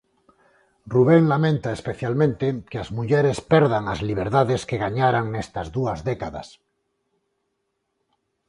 Rubén lamenta especialmente que as mulleres perdan as liberdades que gañaran nestas dúas décadas.